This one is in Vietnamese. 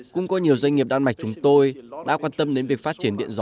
cũng có nhiều doanh nghiệp đan mạch chúng tôi đã quan tâm đến việc phát triển điện gió